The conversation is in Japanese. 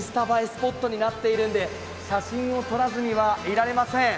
スポットになっているので写真を撮らずにはいられません。